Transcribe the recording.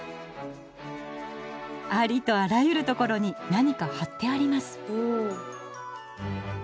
ありとあらゆるところに何かはってあります。